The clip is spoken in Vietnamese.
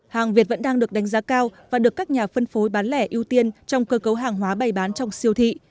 hàng việt vẫn đang được đánh giá cao và được các nhà phân phối bán lẻ ưu tiên trong cơ cấu hàng hóa bày bán trong siêu thị